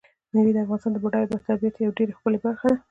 مېوې د افغانستان د بډایه طبیعت یوه ډېره ښکلې برخه ده.